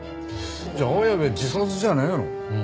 じゃあ綾部自殺じゃねえの？